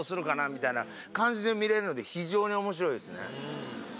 みたいな感じで見られるので非常に面白いですねホンマに。